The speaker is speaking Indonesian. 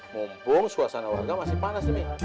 mumpung suasana warga masih panas nih mi